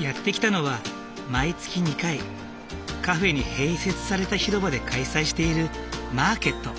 やって来たのは毎月２回カフェに併設された広場で開催しているマーケット。